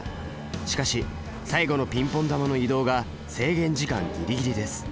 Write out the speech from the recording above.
しかし最後のピンポン球の移動が制限時間ギリギリです。